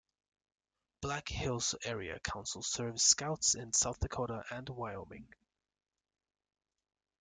Black Hills Area Council serves Scouts in South Dakota and Wyoming.